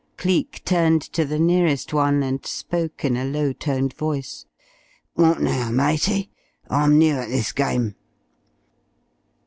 Cleek turned to the nearest one, and spoke in a low toned voice. "What now, matey? I'm new at this gyme."